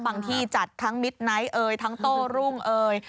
ที่จัดทั้งมิดไนท์เอ่ยทั้งโต้รุ่งเอ่ย